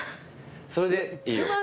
それでいいよ。